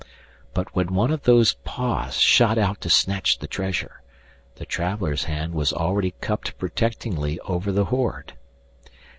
But when one of those paws shot out to snatch the treasure, the traveler's hand was already cupped protectingly over the hoard.